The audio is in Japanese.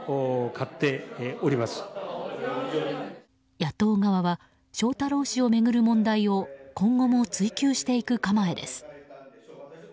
野党側は翔太郎氏を巡る問題を今後も追及していく構えです。